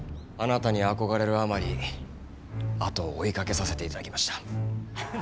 あなたに憧れるあまり後を追いかけさせていただきました。